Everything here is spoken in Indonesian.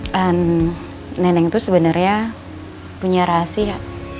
dan nenek itu sebenarnya punya rahasia